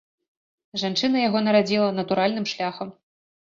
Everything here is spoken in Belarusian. Жанчына яго нарадзіла натуральным шляхам.